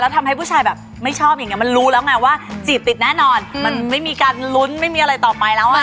ทำให้ผู้ชายแบบไม่ชอบอย่างเงี้มันรู้แล้วไงว่าจีบติดแน่นอนมันไม่มีการลุ้นไม่มีอะไรต่อไปแล้วอ่ะ